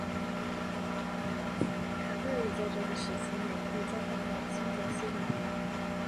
卡特也在这个时期内被交换到新泽西篮网。